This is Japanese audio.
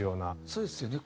そうですよね。